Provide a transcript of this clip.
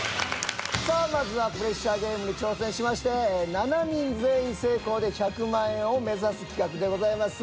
さあまずはプレッシャーゲームに挑戦しまして７人全員成功で１００万円を目指す企画でございます。